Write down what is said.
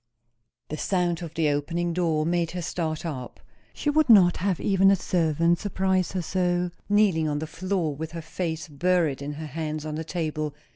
The sound of the opening door made her start up. She would not have even a servant surprise her so; kneeling on the floor with her face buried in her hands on the table.